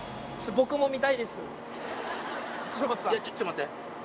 ちょっと待って。